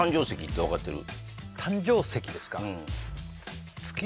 誕生石ですか？